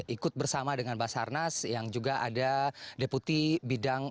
ikut bersama dengan basarnas yang juga ada deputi bidang